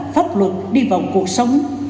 pháp luật đi vào cuộc sống